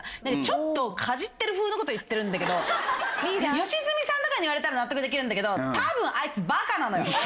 ちょっとかじってるふうなこと言ってるんだけど良純さんとかに言われたら納得できるんだけど多分あいつバカなのよ。